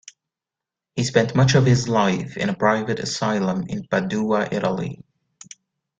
He spent much of his life in a private asylum in Padua, Italy.